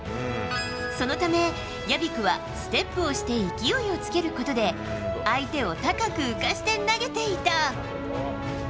そのため屋比久はステップをして勢いをつけることで相手を高く浮かして投げていた。